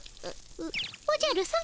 おじゃるさま